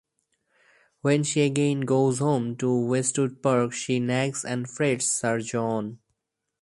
When she again goes home to Westwood Park she nags and frets Sir John.